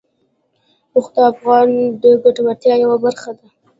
اوښ د افغانانو د ګټورتیا یوه برخه ده.